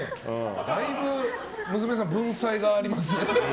だいぶ娘さん文才がありますね。